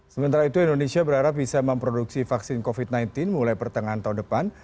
sementara itu indonesia berharap bisa memproduksi vaksin covid sembilan belas mulai pertengahan tahun depan